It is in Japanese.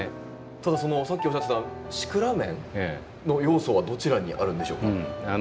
たださっきおっしゃってたシクラメンの要素はどちらにあるんでしょうか？